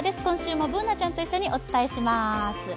今週もＢｏｏｎａちゃんと一緒にお伝えします。